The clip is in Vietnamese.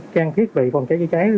trang thiết về phòng cháy chữa cháy